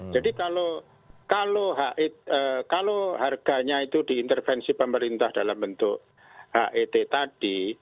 kalau harganya itu diintervensi pemerintah dalam bentuk het tadi